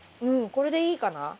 うんこれでいいかな。